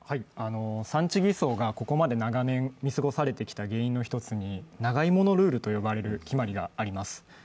産地偽装がここまで長年見過ごされてきた原因の一つに長いものルールという決まりがあります。